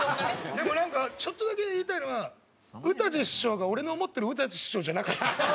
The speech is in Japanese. でもなんかちょっとだけ言いたいのはうたじ師匠が俺の思ってるうたじ師匠じゃなかった。